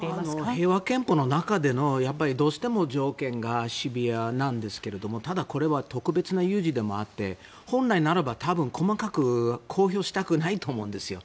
平和憲法の中でも条件がどうしてもシビアなんですけどただこれは特別な有事でもあって本来ならば多分、細かく公表したくないと思うんですよ。